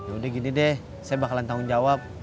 udah gini deh saya bakalan tanggung jawab